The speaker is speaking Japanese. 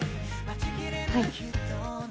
はい。